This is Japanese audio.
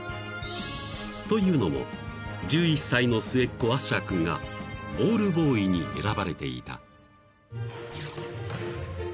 ［というのも１１歳の末っ子アッシャー君がボールボーイに選ばれていた］